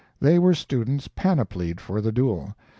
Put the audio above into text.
They were students panoplied for the duel.